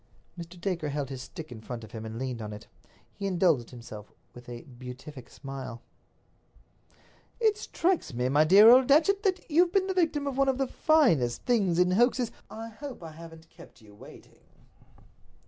Mr. Dacre held his stick in front of him and leaned on it. He indulged himself with a beatific smile. "It strikes me, my dear Datchet, that you've been the victim of one of the finest things in hoaxes—" "I hope I haven't kept you waiting."